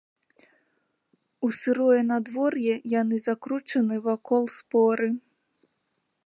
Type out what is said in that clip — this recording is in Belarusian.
У сырое надвор'е яны закручаны вакол споры.